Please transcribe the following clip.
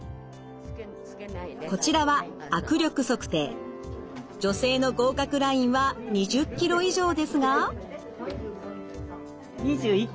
こちらは女性の合格ラインは２０キロ以上ですが。